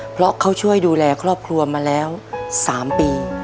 เพราะเขาช่วยดูแลครอบครัวมาแล้ว๓ปี